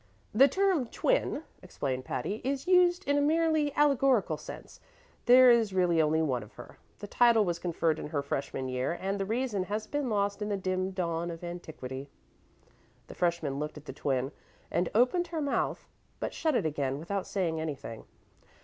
"The term 'Twin,'" explained Patty, "is used in a merely allegorical sense. There is really only one of her. The title was conferred in her freshman year, and the reason has been lost in the dim dawn of antiquity." The freshman looked at the Twin and opened her mouth, but shut it again without saying anything.